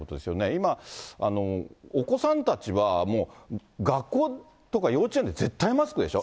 今、お子さんたちはもう、学校とか幼稚園で絶対マスクでしょ。